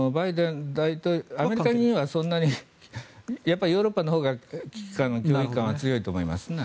アメリカはそんなにやっぱりヨーロッパのほうが危機感は強いと思いますね。